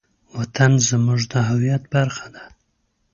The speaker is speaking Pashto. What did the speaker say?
وطن زموږ د هویت برخه ده.